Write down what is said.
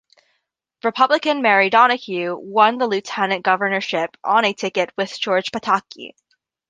Republican Mary Donohue won the lieutenant governorship on a ticket with George Pataki.